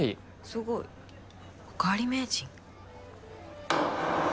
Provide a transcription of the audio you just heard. すごいおかわり名人？